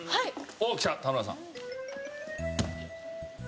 おおっきた田村さん。